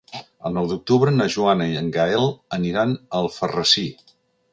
El nou d'octubre na Joana i en Gaël aniran a Alfarrasí.